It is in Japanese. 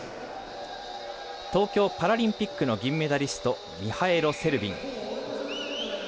東京パラリンピックの銀メダリストミハエロ・セルビン。